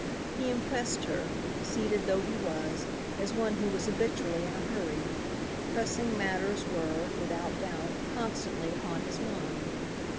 He impressed her, seated though he was, as one who was habitually in a hurry. Pressing matters were, without doubt, constantly upon his mind.